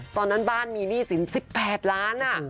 ตอนนั้นบ้านมีหนี้สิน๑๘ล้าน